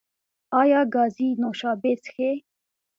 ایا ګازي نوشابې څښئ؟